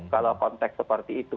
kalau konteks seperti itu